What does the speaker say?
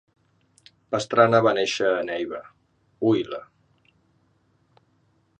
Pastrana va néixer a Neiva, Huila.